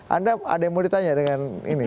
anda ada yang mau ditanya dengan ini